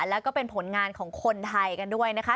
แล้วก็เป็นผลงานของคนไทยกันด้วยนะคะ